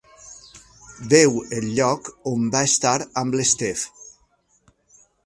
Veu el lloc on va estar amb l'Steph.